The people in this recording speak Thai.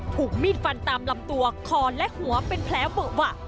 ถูกมีดฟันตามลำตัวคอและหัวเป็นแผลเวอะวะ